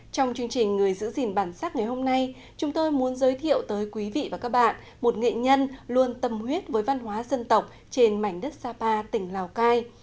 trong chương trình người giữ gìn bản sắc ngày hôm nay chúng tôi muốn giới thiệu tới quý vị và các bạn một nghệ nhân luôn tâm huyết với văn hóa dân tộc trên mảnh đất sapa tỉnh lào cai